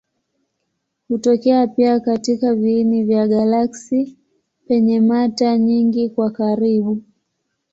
Hutokea pia katika viini vya galaksi penye mata nyingi kwa karibu.